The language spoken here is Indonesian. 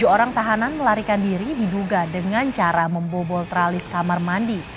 tujuh orang tahanan melarikan diri diduga dengan cara membobol tralis kamar mandi